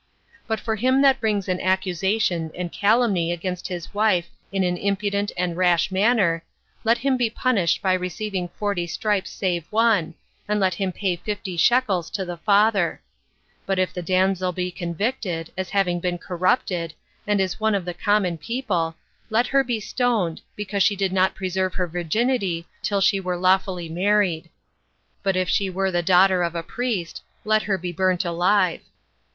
But for him that brings an accusation and calumny against his wife in an impudent and rash manner, let him be punished by receiving forty stripes save one, and let him pay fifty shekels to her father: but if the damsel be convicted, as having been corrupted, and is one of the common people, let her be stoned, because she did not preserve her virginity till she were lawfully married; but if she were the daughter of a priest, let her be burnt alive.